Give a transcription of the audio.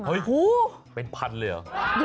เฮ้ยเป็นพันเลยหรอ